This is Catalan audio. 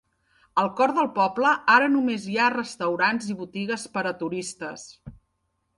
Al cor del poble ara només hi ha restaurants i botigues per a turistes.